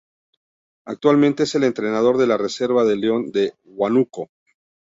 Actualmente es el entrenador de la reserva del León de Huánuco.